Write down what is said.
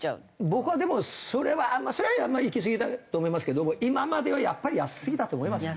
僕はでもそれはそれはいきすぎだと思いますけども今まではやっぱり安すぎたと思いますよ。